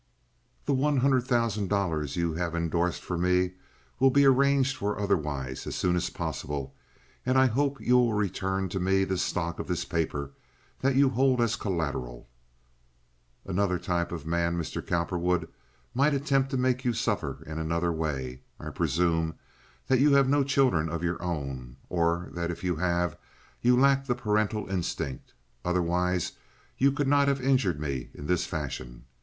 The one hundred thousand dollars you have indorsed for me will be arranged for otherwise as soon as possible, and I hope you will return to me the stock of this paper that you hold as collateral. Another type of man, Mr. Cowperwood, might attempt to make you suffer in another way. I presume that you have no children of your own, or that if you have you lack the parental instinct; otherwise you could not have injured me in this fashion.